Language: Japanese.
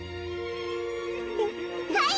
はい！